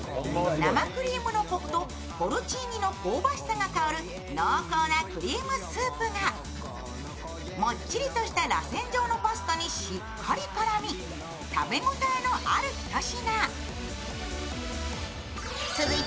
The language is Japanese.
生クリームのコクとポルチーニの香ばしさが香る濃厚なクリームスープがもっちりとしたらせん状のパスタにしっかり絡み食べ応えのあるひと品。